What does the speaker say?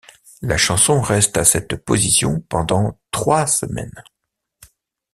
La chanson reste à cette position pendant trois semaines.